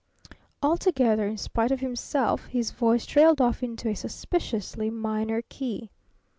Altogether in spite of himself, his voice trailed off into a suspiciously minor key.